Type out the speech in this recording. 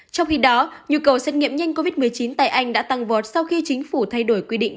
trong khi đó nhu cầu xét nghiệm nhanh covid một mươi chín tại anh đã tăng vọt sau khi chính phủ thay đổi quy định